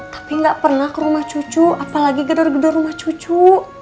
tapi nggak pernah ke rumah cucu apalagi gedor gedor rumah cucu